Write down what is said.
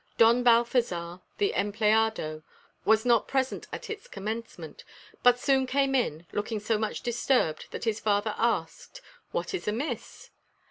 Don Balthazar, the empleado, was not present at its commencement, but soon came in, looking so much disturbed that his father asked, "What is amiss?"